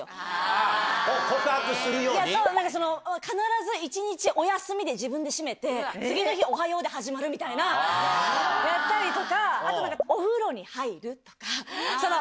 必ず一日「おやすみ」で自分で締めて次の日「おはよう」で始まるみたいなやったりとかあと。